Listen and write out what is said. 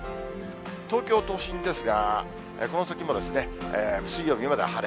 東京都心ですが、この先も水曜日まで晴れ。